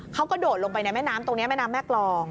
เขากระโดดลงไปในแม่น้ำตรงนี้แม่น้ำแม่กรอง